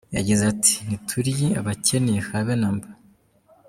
Yagize ati “Ntituri abakene, habe na mba.